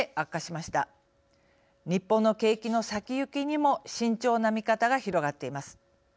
日本の景気の先行きにも慎重な見方が広がっています。